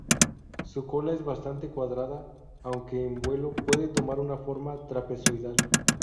Su cola es bastante cuadrada, aunque en vuelo puede tomar una forma trapezoidal.